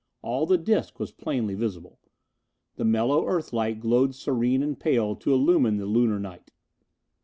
All the disc was plainly visible. The mellow Earth light glowed serene and pale to illumine the Lunar night.